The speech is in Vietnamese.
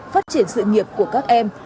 phát triển sự nghiệp của các em